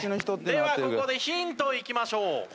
ではここでヒントいきましょう。